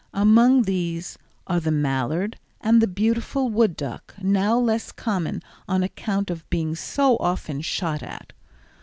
Among these are the mallard and the beautiful woodduck, now less common on account of being so often shot at.